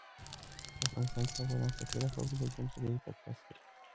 په افغانستان کې د بولان پټي د خلکو د ژوند په کیفیت تاثیر کوي.